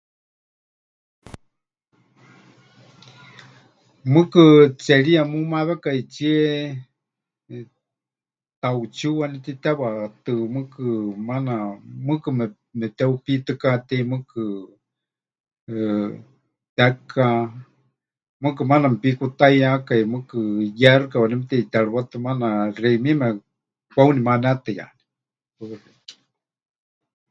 Mɨɨkɨ tseriiya mumawekaitsie, tauchíu waníu titewatɨ mɨɨkɨ maana, mɨɨkɨ mepɨteheupiitɨkatéi mɨɨkɨ, eh, teka, mɨɨkɨ maana mepikutaiyákai, mɨɨkɨ yéxɨka waníu meteʼiterɨwátɨ maana xeimieme kwauni manetɨyaní.